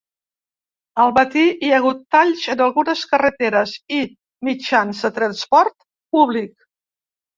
Al matí hi ha hagut talls en algunes carreteres i mitjans de transport públic.